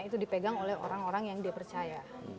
itu dipegang oleh orang orang yang dia percaya